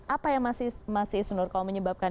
apa yang masih isnur kalau menyebabkan